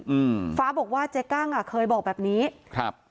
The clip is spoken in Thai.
อืมฟ้าบอกว่าเจ๊กั้งอ่ะเคยบอกแบบนี้ครับ